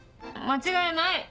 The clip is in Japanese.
間違いない！